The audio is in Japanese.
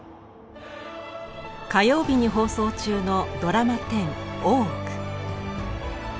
火曜日に放送中のドラマ１０「大奥」。